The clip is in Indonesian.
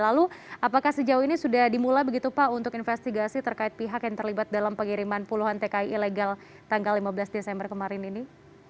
lalu apakah sejauh ini sudah dimulai begitu pak untuk investigasi terkait pihak yang terlibat dalam pengiriman puluhan tki ilegal tanggal lima belas desember kemarin ini